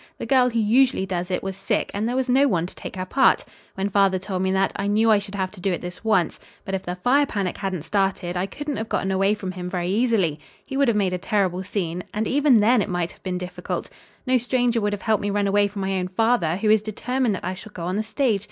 The girl who usually does it was sick and there was no one to take her part. When father told me that, I knew I should have to do it this once, but if the fire panic hadn't started I couldn't have gotten away from him very easily. He would have made a terrible scene. And even then, it might have been difficult. No stranger would have helped me run away from my own father, who is determined that I shall go on the stage.